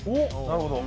なるほど。